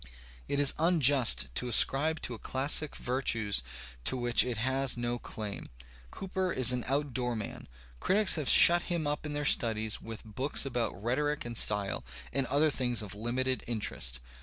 It is unjust to ascribe to a classic virtues to which it has no claim. Cooper is an outdoor man. Critics have shut him up in their studies with books about rhetoric and style and other things of limited interest.